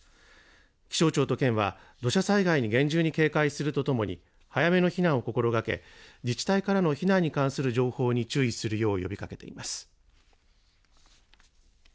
気象庁と県は、土砂災害に厳重に警戒するとともに、早めの避難を心がけ、自治体からの避難に関する情報に注意するよう呼びかけています。